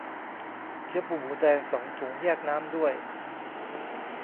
เกี๊ยวปูหมูแดง สองถุง แยกน้ำด้วย